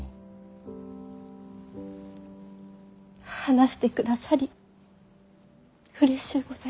話してくださりうれしゅうございました。